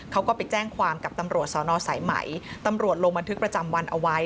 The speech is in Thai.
เขาก็ไปแจ้งความกับตำรวจสอนอสายไหมตำรวจลงบันทึกประจำวันเอาไว้